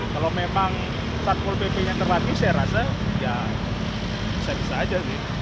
kalau memang takul bp yang terlaki saya rasa ya bisa bisa aja sih